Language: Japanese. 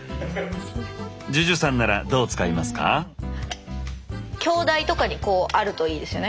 ＪＵＪＵさんならどう使いますか？